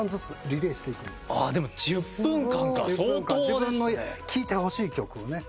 自分の聴いてほしい曲をね。